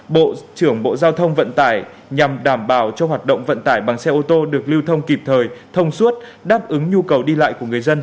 bộ trưởng bộ giao thông vận tải nhằm đảm bảo cho hoạt động vận tải bằng xe ô tô được lưu thông kịp thời thông suốt đáp ứng nhu cầu đi lại của người dân